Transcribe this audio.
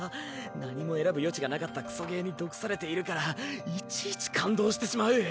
何も選ぶ余地がなかったクソゲーに毒されているからいちいち感動してしまう。